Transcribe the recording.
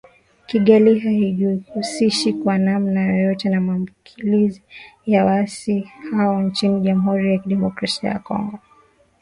Kigali haijihusishi kwa namna yoyote na mashambulizi ya waasi hao nchini Jamuhuri ya Kidemokrasia ya Kongo